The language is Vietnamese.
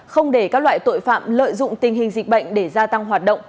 không để các loại tội phạm lợi dụng tình hình dịch bệnh để gia tăng hoạt động